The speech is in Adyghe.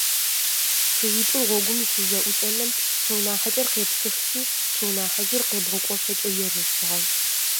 Шыуитӏу гъогум щызэӏукӏэмэ, шыу нахьыкӏэр къепсыхти шыу ныхьыжъыр къебгъукӏофэкӏэ ежэщтыгъэ.